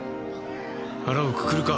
腹をくくるか。